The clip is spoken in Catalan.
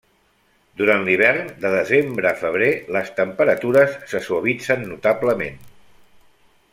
Durant l'hivern, de desembre a febrer, les temperatures se suavitzen notablement.